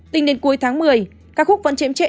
tính đến cuối tháng một mươi các khúc vẫn chém chệ